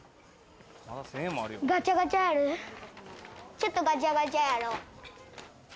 ちょっとガチャガチャやろう。